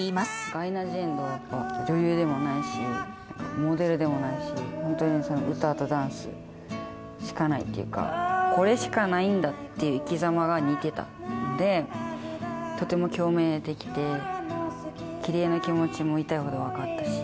アイナ・ジ・エンドはやっぱり、女優でもないし、モデルでもないし、本当に歌とダンスしかないっていうか、これしかないんだっていう生きざまが似てたんで、とても共鳴できて、キリエの気持ちも痛いほど分かったし。